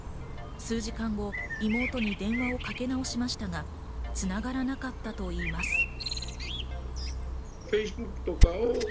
数時間後、妹に電話をかけなおしましたが繋がらなかったといいます。